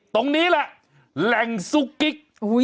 ตรงนี้แหละแหล่งซุกกิ๊ก